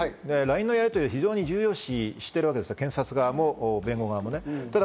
ＬＩＮＥのやりとりを重要視しているわけです、検察側も弁護側も。